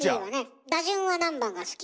打順は何番が好き？